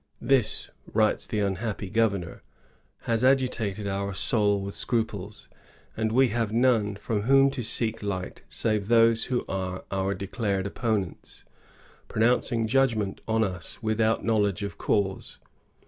*'This," writes the unhappy governor, "has agitated our soul with scruples;, and we have none from whom to seek light save those who are our declared opponents, pronouncing judgment on us without knowledge of cause.